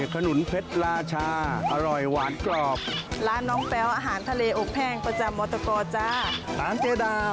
ที่ตลาดออโตกอล์ค่ะ